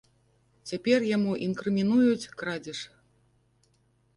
Цяпер яму інкрымінуюць крадзеж.